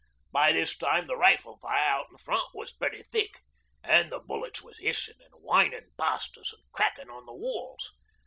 By this time the rifle fire out in front was pretty thick and the bullets was hissin' an' whinin' past us an' crackin' on the walls.